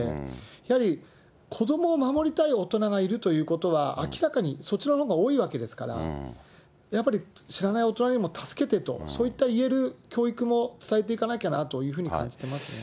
やはり子どもを守りたい大人がいるということは、明らかにそちらのほうが多いわけですから、やっぱり知らない大人にも助けてと、そういった、言える教育も伝えていかなきゃなと感じていますね。